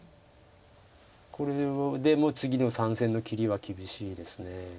これでもう次の３線の切りは厳しいです。